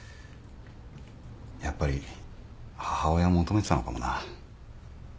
やっぱり母親を求めてたのかもな。